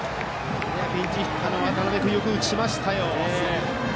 ピンチヒッターの渡邊君よく打ちましたよ。